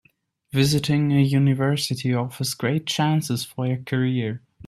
Visiting a university offers great chances for your career.